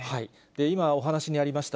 今、お話にありました